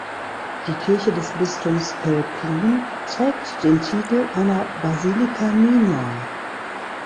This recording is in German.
Die Kirche des Bistums Pelplin trägt den Titel einer Basilica minor.